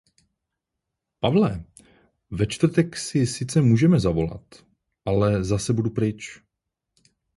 Pavle, ve čtvrtek si sice můžeme zavolat, ale zase budu pryč.